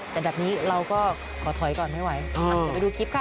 แต่ดับนี้เราก็ขอถอยก่อนไม่ไหวเดี๋ยวไปดูคลิปค่ะ